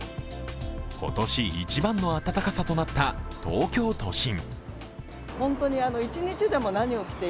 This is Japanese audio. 今年一番の暖かさとなった東京都心。